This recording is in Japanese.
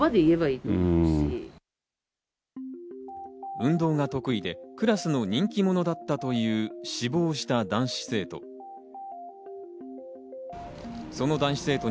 運動が得意でクラスの人気者だったという死亡した男子生徒。